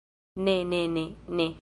Ne ne ne. Ne!